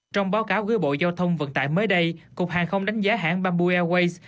trong báo cáo gửi bộ giao thông vận tải mới đây cục hàng không đánh giá hãng bambu airways